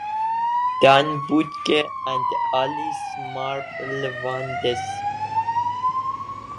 Don Budge and Alice Marble won the singles titles.